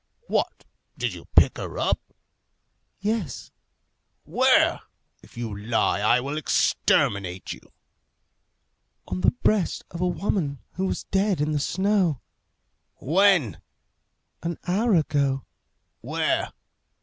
"What! did you pick her up?" "Yes." "Where? If you lie I will exterminate you." "On the breast of a woman who was dead in the snow." "When?" "An hour ago." "Where?"